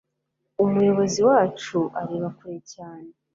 umuyobozi wacu areba kure cyane